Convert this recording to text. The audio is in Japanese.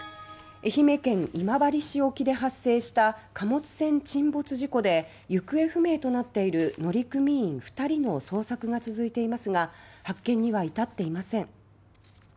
愛媛県今治市沖で発生した貨物船沈没事故で行方不明となっている乗組員２人の捜索が続いていますが発見には至っていません。